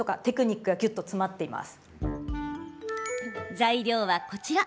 材料は、こちら。